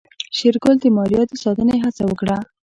شېرګل د ماريا د ساتنې هڅه وکړه.